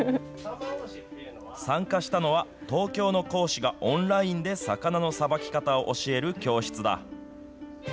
参加したのは東京の講師がオンラインで魚のさばき方を教える教室だ。